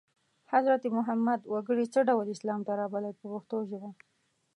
حضرت محمد وګړي څه ډول اسلام ته رابلل په پښتو ژبه.